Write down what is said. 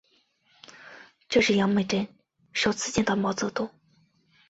这是杨美真首次见到毛泽东。